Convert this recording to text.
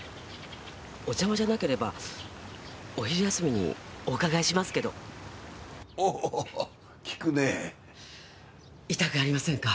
お邪魔じゃなければお昼休みにお伺いしますけどお効くねぇ痛くありませんか？